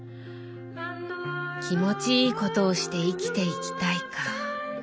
「気持ちいいことをして生きていきたい」か。